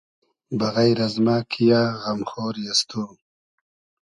بئغݷر از مۂ کی یۂ غئم خۉری از تو